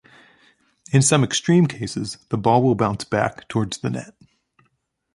In some extreme cases, the ball will bounce back towards the net.